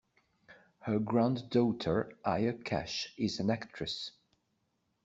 Her granddaughter Aya Cash is an actress.